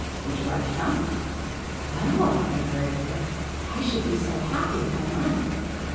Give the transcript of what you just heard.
Would you like to come?" "Oh," cried Fairyfoot, "I should be so happy if I might!"